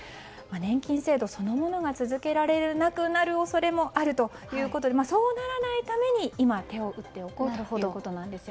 年金制度そのものが続けられなくなる恐れもあるということでそうならないために今、手を打っておこうということなんです。